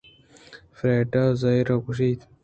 فریڈا ءَزہرءَ گوٛشت